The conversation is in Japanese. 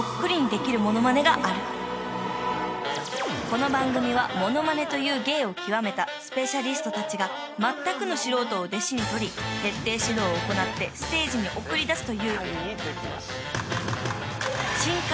［この番組はモノマネという芸を究めたスペシャリストたちがまったくの素人を弟子に取り徹底指導を行ってステージに送り出すという］